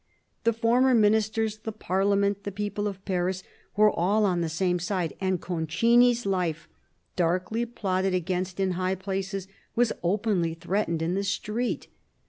The former Ministers, the Parliament, the people of Paris, were all on the same side, and Concini's life, darkly plotted against in high places, was openly threatened in the street.